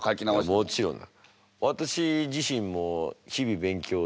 もちろんだ。